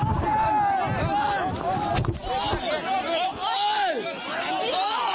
พระบุว่าจะมารับคนให้เดินทางเข้าไปในวัดพระธรรมกาลนะคะ